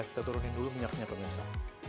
kita turuntukin minyaknya pemirsa